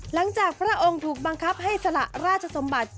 พระองค์ถูกบังคับให้สละราชสมบัติ